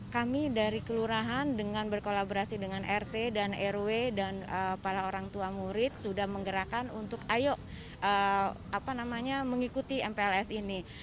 kami dari kelurahan dengan berkolaborasi dengan rt dan rw dan para orang tua murid sudah menggerakkan untuk ayo mengikuti mpls ini